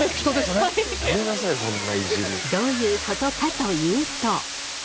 どういうことかというと。